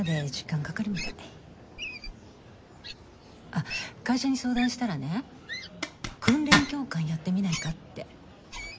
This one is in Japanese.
あっ会社に相談したらね訓練教官やってみないかって。